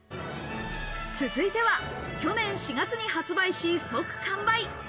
続いては去年４月に発売し、即完売。